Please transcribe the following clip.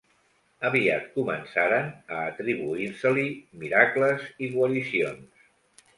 Aviat començaren a atribuir-se-li miracles i guaricions.